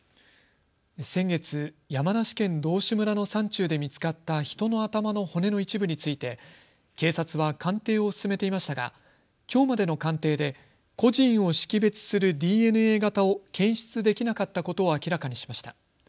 先月、山梨県道志村の山中で見つかった人の頭の骨の一部について警察は鑑定を進めていましたが、きょうまでの鑑定で個人を識別するＤＮＡ型を検出できなかったことを明らかにしました。